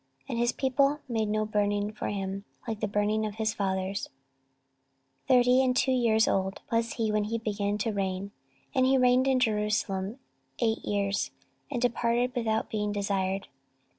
And his people made no burning for him, like the burning of his fathers. 14:021:020 Thirty and two years old was he when he began to reign, and he reigned in Jerusalem eight years, and departed without being desired.